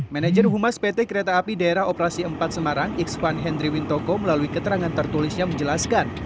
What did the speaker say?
manajemen humas pt kereta api daerah operasi empat semarang iksan hendry wintoko melalui keterangan tertulisnya menjelaskan